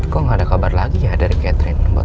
kok gaada kabar lagi ya dari katerine buat